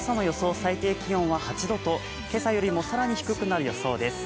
最低気温は８度とけさよりも更に低くなる予想です。